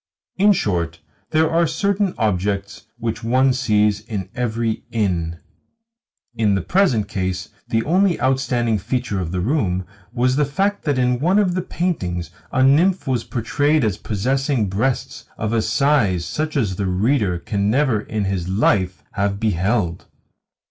In short, there are certain objects which one sees in every inn. In the present case the only outstanding feature of the room was the fact that in one of the paintings a nymph was portrayed as possessing breasts of a size such as the reader can never in his life have beheld.